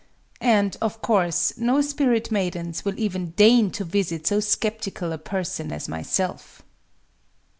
And, of course, no spirit maidens will even deign to visit so skeptical a person as myself.